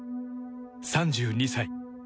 ３２歳。